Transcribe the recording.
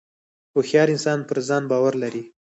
• هوښیار انسان پر ځان باور لري.